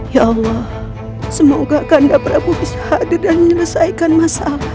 ya allah semoga ganda prabu bisa hadir dan menyelesaikan masalah